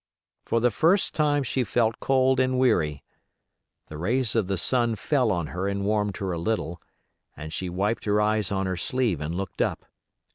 For the first time she felt cold and weary. The rays of the sun fell on her and warmed her a little, and she wiped her eyes on her sleeve and looked up.